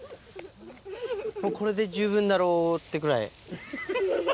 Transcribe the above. もうこれで十分だろってくらい。